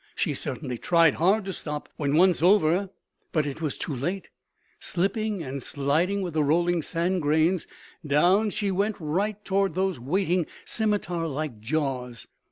She certainly tried hard to stop when once over, but it was too late. Slipping and sliding with the rolling sand grains, down she went right toward those waiting scimitar like jaws.